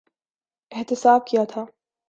احتساب کیا تھا۔